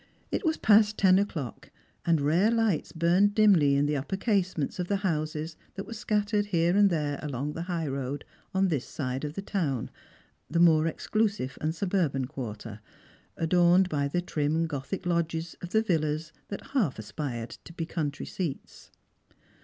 It was past ten o'clock, and rare lights burned dimly in the uf)per casements o. the houses that wei e scattered here and there along the high road on this side of the town, the more exclusive and suburban quarter, adorned by the trim gotliic lodges of the villas that half aspired to be country seats.